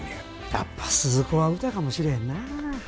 やっぱスズ子は歌かもしれへんなあ。